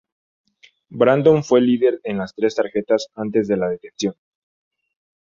Brandon fue líder en las tres tarjetas antes de la detención.